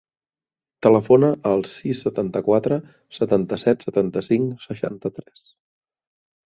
Telefona al sis, setanta-quatre, setanta-set, setanta-cinc, seixanta-tres.